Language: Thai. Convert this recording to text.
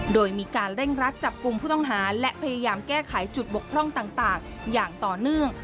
โดยมีการเร่งรัดจับกลุ่มผู้ต้องหาและพยายามแก้ไขจุดบกพร่องต่างอย่างต่อเนื่อง